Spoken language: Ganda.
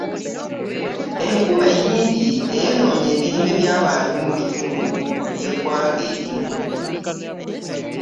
Enkuba ennyingi eyonoonye ebirime by'abantu mu bitundu by'eggwanga ebimu.